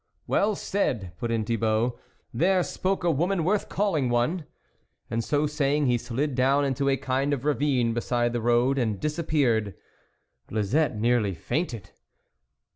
" Well said !" put in Thibault, " there spoke a woman worth calling one !" And so saying he slid down into a kind of ravine beside the road, and disappeared. Lisette very nearly fainted.